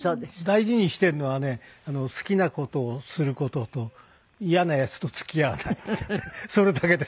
大事にしているのはね好きな事をする事と嫌なヤツと付き合わないってそれだけです。